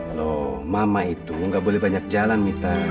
halo mama itu gak boleh banyak jalan mita